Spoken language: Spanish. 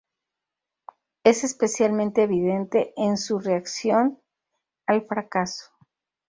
Es especialmente evidente en su reacción al fracaso.